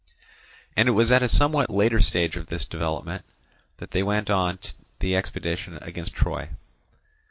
And it was at a somewhat later stage of this development that they went on the expedition against Troy.